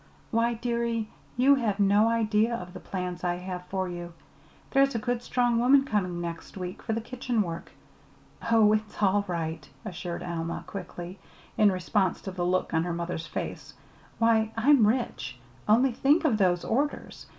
Why, dearie, you have no idea of the plans I have for you. There's a good strong woman coming next week for the kitchen work. Oh, it's all right," assured Alma, quickly, in response to the look on her mother's face. "Why, I'm rich! Only think of those orders!